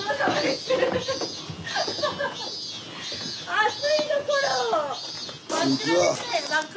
暑いところを！